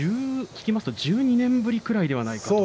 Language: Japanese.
聞きますと１２年ぶりぐらいではないかと。